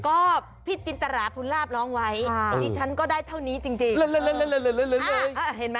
ก็พี่จินตราพุนลาบร้องไว้อันนี้ฉันก็ได้เท่านี้จริง